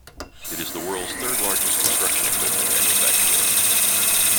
It is the world's third-largest construction equipment manufacturer.